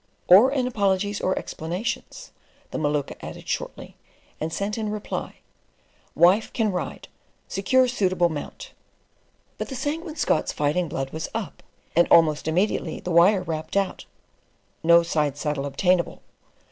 "Or in apologies or explanations," the Maluka added shortly, and sent in reply: "Wife can ride, secure suitable mount." But the Sanguine Scot's fighting blood was up, and almost immediately the wire rapped out: "No side saddle obtainable.